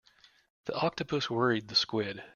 The octopus worried the squid.